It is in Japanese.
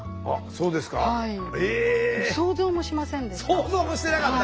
想像もしてなかった？